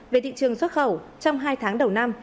về thị trường xuất khẩu trong hai tháng đầu năm